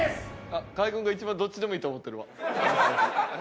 あっ河合君が一番どっちでもいいと思ってるわ。